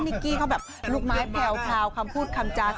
กี้เขาแบบลูกไม้แพลวคำพูดคำจา